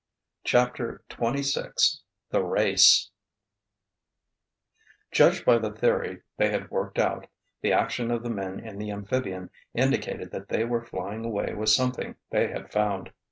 CHAPTER XXVI THE RACE Judged by the theory they had worked out, the action of the men in the amphibian indicated that they were flying away with something they had found.